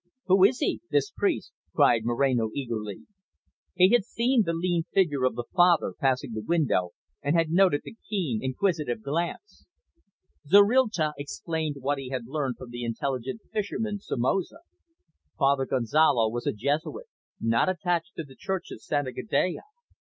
"Who is he, this priest?" cried Moreno eagerly. He had seen the lean figure of the father passing the window, and had noted the keen, inquisitive glance. Zorrilta explained what he had learned from the intelligent fisherman Somoza. Father Gonzalo was a Jesuit, not attached to the Church of Santa Gadea.